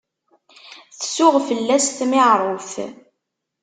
Tsuɣ fell-as tmiɛruft.